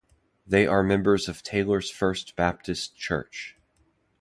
They are members of Taylors First Baptist Church.